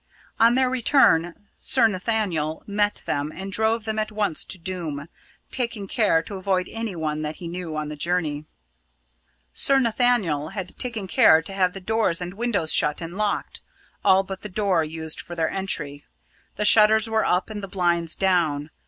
On their return, Sir Nathaniel met them and drove them at once to Doom, taking care to avoid any one that he knew on the journey. Sir Nathaniel had taken care to have the doors and windows shut and locked all but the door used for their entry. The shutters were up and the blinds down.